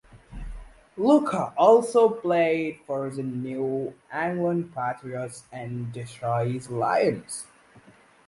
Looker also played for the New England Patriots and Detroit Lions.